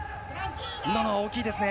今のは大きいですね。